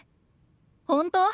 本当？